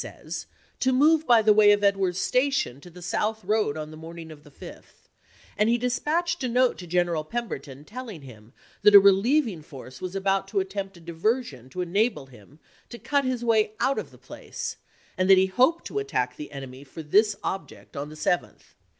says, to move by the way of Edwards's Station to the south road on the morning of the 5th, and he Juiy> 1863. dispatched a note to G eneral Pemberton telling him that a relieving force was about to attempt a diversion to enable him to cut his way out of the place, and that he hoped to attack the enemy for this object on the 7th.